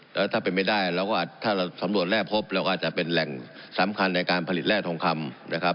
แล้วถ้าเป็นไม่ได้เราก็ถ้าเราสำรวจแร่พบเราก็อาจจะเป็นแหล่งสำคัญในการผลิตแร่ทองคำนะครับ